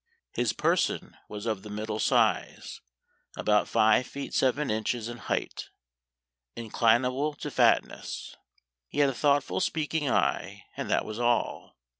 His person was of the middle size, about five feet seven inches in height, inclinable to fatness. He had a thoughtful speaking eye, and that was all.